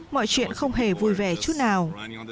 mọi chuyện không hề vui vẻ chút nào